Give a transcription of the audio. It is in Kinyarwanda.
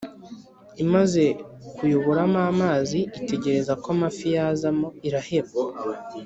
imaze kuyoboramo amazi, itegereza ko amafi yazamo, iraheba.